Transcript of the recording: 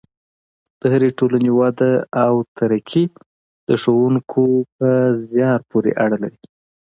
د هرې ټولنې وده او ترقي د ښوونکو په زیار پورې اړه لري.